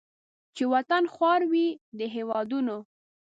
چې وطن خوار وي د هیوادونو